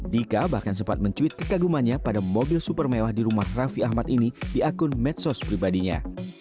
dika bahkan sempat mencuit kekagumannya pada mobil super mewah di rumah raffi ahmad ini di akun medsos pribadinya